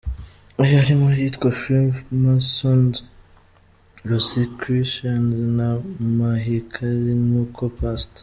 Ayo arimo ayitwa ‘Freemasons’, ‘Rosicrucians’ na ‘Mahikari’ nk’ uko Past.